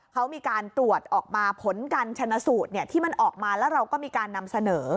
เขามีการตรวจออกมาผลการชนะสูตรที่มันออกมาแล้วเราก็มีการนำเสนอ